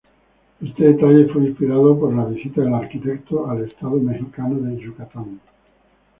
Este detalle fue inspirado por la visita del arquitecto a estado mexicano de Yucatán.